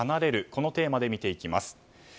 このテーマで見ていきます。